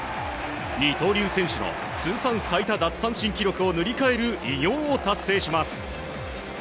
二刀流選手の通算最多奪三振記録を塗り替える偉業を達成します。